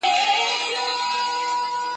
بس پرون چي می ویله !.